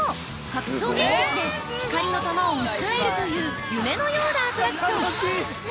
拡張現実で光の球を撃ち合えるという夢のようなアトラクション。